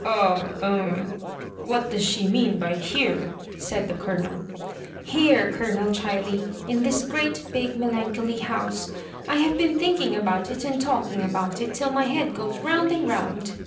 — ah— eh — what does she mean by here ?" said the ColoneL ^^Here^ Col(mel Chiley, in this great big melan choly house. I have been thinking about it, and talking about it till n\j bead goes round and round.